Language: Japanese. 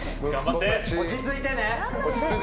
落ち着いて。